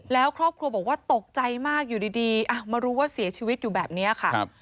แล้วครอบครัวบอกว่าตกใจมากอยู่ดีมารู้ว่าเสียชีวิตอยู่แบบนี้ค่ะ